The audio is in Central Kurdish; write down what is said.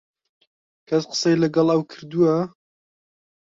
کەس قسەی لەگەڵ ئەو کردووە؟